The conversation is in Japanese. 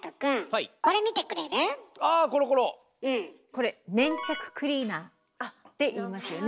これ「粘着クリーナー」っていいますよね。